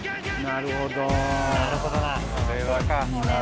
なるほどな。